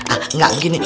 ah gak begini